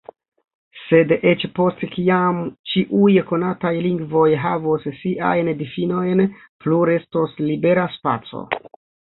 Sed eĉ post kiam ĉiuj konataj lingvoj havos siajn difinojn, plu restos libera spaco.